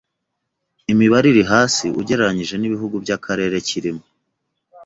imibare iri hasi ugereranyije n'ibihugu by'akarere kirimo.